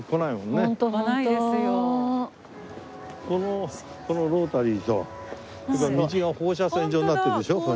このロータリーとそれから道が放射線状になってるでしょ。